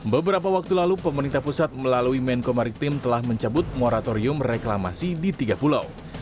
beberapa waktu lalu pemerintah pusat melalui menko maritim telah mencabut moratorium reklamasi di tiga pulau